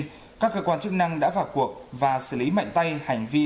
nên các cơ quan chức năng đã vào cuộc và xử lý mạnh tay hành vi